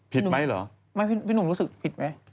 ผิดไหมเหรอไม่พี่หนุ่มรู้สึกผิดไหม